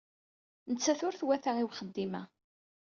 Nettat ur twata i uxeddim-a.